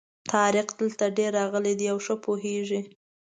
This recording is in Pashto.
طارق دلته ډېر راغلی دی او ښه پوهېږي.